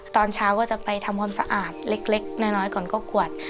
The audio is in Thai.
ตอนเช้าก็จะไปทำความสะอาดเล็กน้อยก่อนก็ขวด